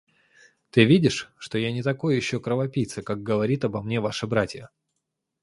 Ты видишь, что я не такой еще кровопийца, как говорит обо мне ваша братья.